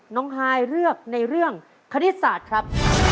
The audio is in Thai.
ฮายเลือกในเรื่องคณิตศาสตร์ครับ